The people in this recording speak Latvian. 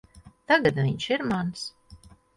Tagad viņš ir mans.